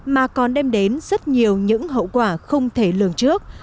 mà còn đem đến rất nhiều những hậu quả không thể lường trước